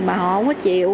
mà họ không có chịu